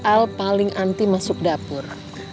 hal paling anti masuk dapur